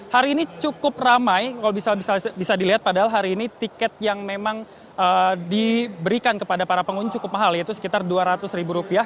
hari ini cukup ramai kalau bisa dilihat padahal hari ini tiket yang memang diberikan kepada para pengunjung cukup mahal yaitu sekitar dua ratus ribu rupiah